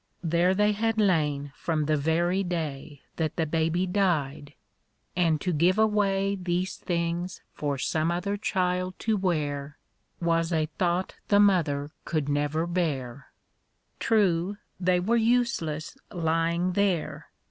There tiicv had lain from the very day Tliat the baby died ; and to give away These tilings for some other child to wear. Was a tliought the mother could never bear. True, they were useless lying there.